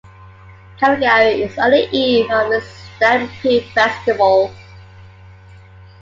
Calgary is on the eve of its Stampede festival.